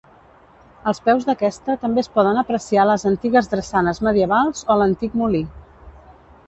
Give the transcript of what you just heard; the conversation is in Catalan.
Als peus d'aquesta també es poden apreciar les antigues drassanes medievals o l'antic molí.